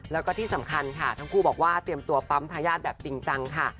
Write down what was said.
แล้วก็ที่สำคัญค่ะทั้งคู่บอกว่าเตรียมตัวปั๊มทายาทแบบจริงจังค่ะ